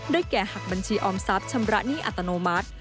แก่หักบัญชีออมทรัพย์ชำระหนี้อัตโนมัติ